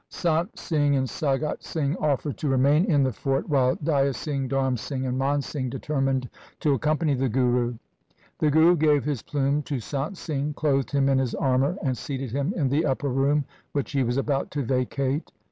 ' Sant Singh and Sangat Singh offered to remain in the fort while Day a Singh, Dharm Singh, and Man Singh determined to accompany the Guru. The Guru gave his plume to Sant Singh, clothed him in his armour, and seated him in the upper room which he was about to vacate.